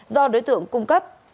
do đối tượng cung cấp